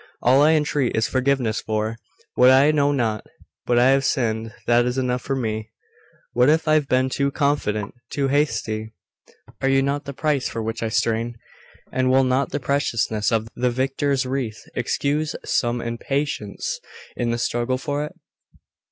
All I entreat is forgiveness for what for I know not: but I have sinned, and that is enough for me. What if I have been too confident too hasty? Are you not the price for which I strain? And will not the preciousness of the victor's wreath excuse some impatience in the struggle for it?